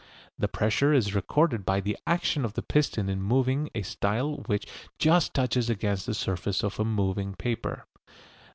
The pressure is recorded by the action of the piston in moving a style which just touches against the surface of a moving paper.